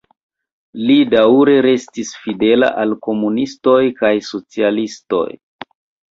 Li daŭre restis fidela al komunistoj aŭ socialistoj.